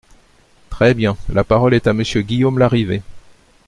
Très bien ! La parole est à Monsieur Guillaume Larrivé.